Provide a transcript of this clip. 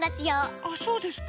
ああそうですか。